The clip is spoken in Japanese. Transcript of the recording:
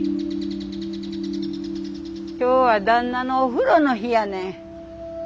今日は旦那のお風呂の日やねん。